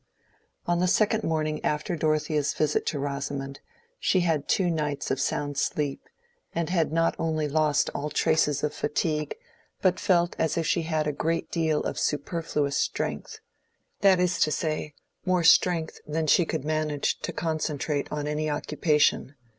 On the second morning after Dorothea's visit to Rosamond, she had had two nights of sound sleep, and had not only lost all traces of fatigue, but felt as if she had a great deal of superfluous strength—that is to say, more strength than she could manage to concentrate on any occupation.